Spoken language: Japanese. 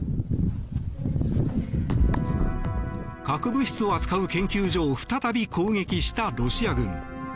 核物質を扱う研究所を再び攻撃したロシア軍。